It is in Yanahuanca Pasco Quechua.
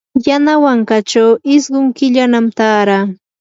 yanawankachaw isqun killanam taaraa.